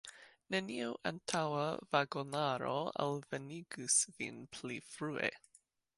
Neniu antaŭa vagonaro alvenigus vin pli frue.